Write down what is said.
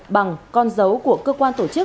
bằng con dấu của cơ quan tổ chức